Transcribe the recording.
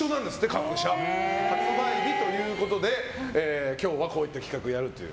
新商品の発売日ということで今日はこういった企画をやるという。